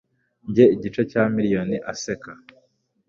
njye igice cya miliyoni; aseka